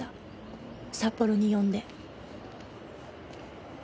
札幌に呼んで。